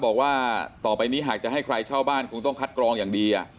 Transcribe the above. บอกว่าต่อไปนี้หากจะให้ใครเช่าบ้านคงต้องคัดกรองอย่างดี